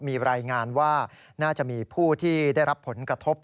มีรายงานว่าน่าจะมีผู้ที่ได้รับผลกระทบ